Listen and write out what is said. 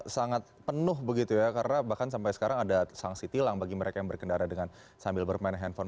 sangat penuh begitu ya karena bahkan sampai sekarang ada sanksi tilang bagi mereka yang berkendara dengan sambil bermain handphone